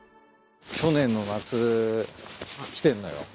去年の夏来てんのよ。